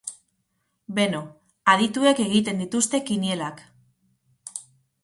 Beno, adituek egiten dituzte kinielak.